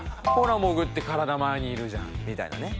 潜って体前にいるじゃんみたいなね。